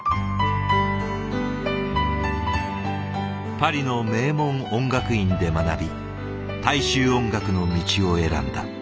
パリの名門音楽院で学び大衆音楽の道を選んだ。